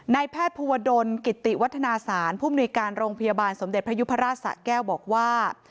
แพทย์ภูวดลกิติวัฒนาศาลผู้มนุยการโรงพยาบาลสมเด็จพระยุพราชสะแก้วบอกว่า